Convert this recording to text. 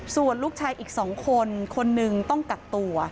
ส่วนลูกชายอีก๒คนคนหนึ่งต้องกักตัว